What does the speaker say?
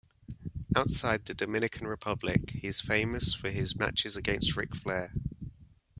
Outside the Dominican Republic, he is famous for his matches against Ric Flair.